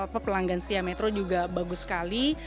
pelanggan setia metro juga bagus sekali